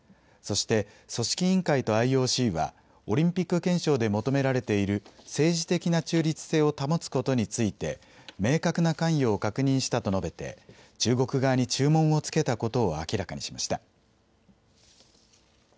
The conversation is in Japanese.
そして、組織委員会とＩＯＣは、オリンピック憲章で求められている政治的な中立性を保つことについて、明確な関与を確認したと述べて、中国側に注文をつけたことを明らかにしました。